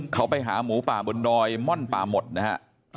เขาไปหาหมูป่าบนดอยม่อนป่าหมดนะฮะ